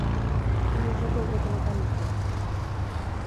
Mundu osoko ur epeletan bizi da.